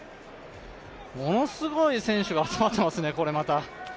ものすごい選手が集まってますね、これまた。